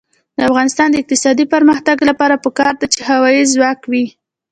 د افغانستان د اقتصادي پرمختګ لپاره پکار ده چې هوایی ځواک وي.